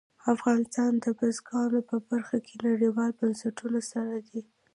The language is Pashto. افغانستان د بزګانو په برخه کې نړیوالو بنسټونو سره دی.